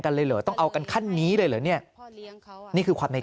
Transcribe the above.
เลยเหรอต้องเอากันขั้นนี้เลยเหรอเนี่ยนี่คือความใน